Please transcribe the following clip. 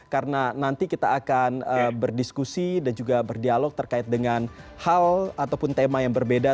karena nanti kita akan berdiskusi dan juga berdialog terkait dengan hal ataupun tema yang berbeda